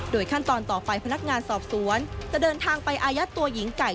ขั้นตอนต่อไปพนักงานสอบสวนจะเดินทางไปอายัดตัวหญิงไก่